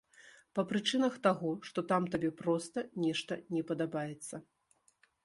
Па прычынах таго, што там табе проста нешта не падабаецца.